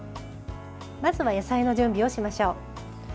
まずは野菜の準備をしましょう。